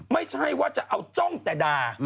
ไม่ใช่ว่าจะเอาจ้องแต่ด่า